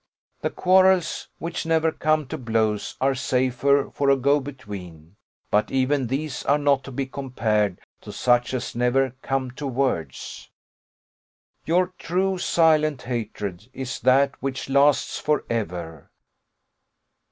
The quarrels which never come to blows are safer for a go between; but even these are not to be compared to such as never come to words: your true silent hatred is that which lasts for ever.